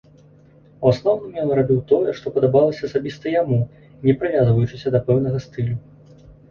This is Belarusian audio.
У асноўным ён рабіў тое, што падабалася асабіста яму, не прывязваючыся да пэўнага стылю.